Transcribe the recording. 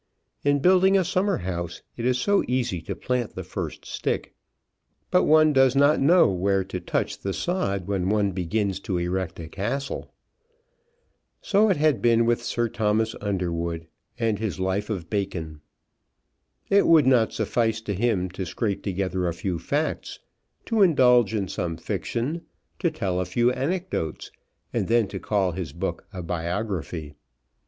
In building a summer house it is so easy to plant the first stick, but one does not know where to touch the sod when one begins to erect a castle. So it had been with Sir Thomas Underwood and his life of Bacon. It would not suffice to him to scrape together a few facts, to indulge in some fiction, to tell a few anecdotes, and then to call his book a biography.